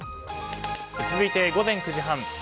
続いて午前９時半。